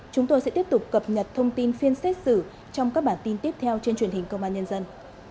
chúng tôi sẽ tiếp tục cập nhật thông tin phiên xét xử trong các bản tin tiếp theo trên truyền hình công an nhân dân